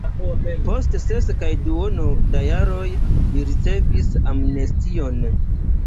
Post ses kaj duono da jaroj li ricevis amnestion.